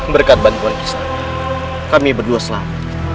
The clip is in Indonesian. berkat bantuan kisah anak kami berdua selamat